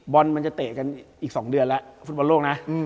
บอลมันจะเตะกันอีก๒เดือนแล้วฟุตบอลโลกนะ